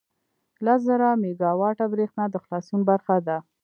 لس زره میګاوټه بریښنا د خلاصون برخه ده.